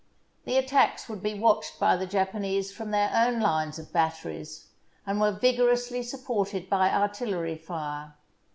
The attacks would be watched by the Japanese from their own lines of batteries, and were vigor ously supported by artillery fire.